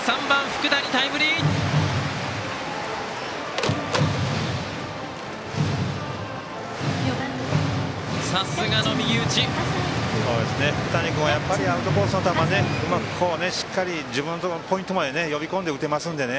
福谷君は、やっぱりアウトコースの球をうまくしっかり自分のポイントまで呼び込んで打てますので。